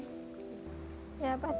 ya kemarin bapak cuku